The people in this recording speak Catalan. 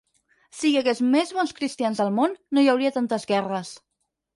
Si hi hagués més bons cristians al món, no hi hauria tantes guerres.